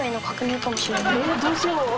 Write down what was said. えっどうしよう？